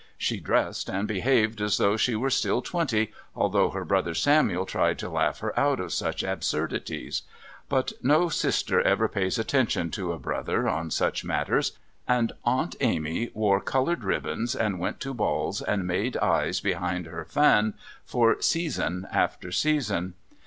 She dressed and behaved as though she were still twenty, although her brother Samuel tried to laugh her out of such absurdities. But no sister ever pays attention to a brother on such matters, and Aunt Amy wore coloured ribbons and went to balls and made eyes behind her fan for season after season.